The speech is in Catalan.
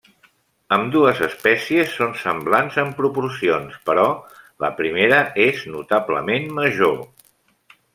Ambdues espècies són semblants en proporcions però la primera és notablement major.